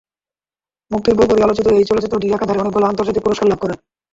মুক্তির পরপরই আলোচিত এই চলচ্চিত্রটি একাধারে অনেকগুলো আন্তর্জাতিক পুরস্কার লাভ করে।